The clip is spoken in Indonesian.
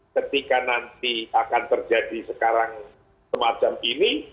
ketika nanti akan terjadi sekarang semacam ini